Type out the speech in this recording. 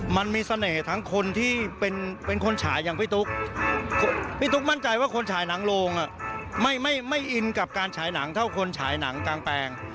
มันมีเสน่ห์ทั้งคนที่เป็นคนฉายอย่างพี่ตุ๊กพี่ตุ๊กมั่นใจว่าคนฉายหนังโลงไม่อินกับการฉายหนังเท่าคนฉายหนังกลางแปลง